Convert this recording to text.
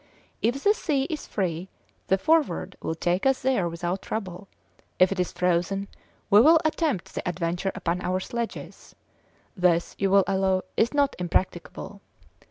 If the sea is free the Forward will take us there without trouble; if it is frozen we will attempt the adventure upon our sledges. This, you will allow, is not impracticable.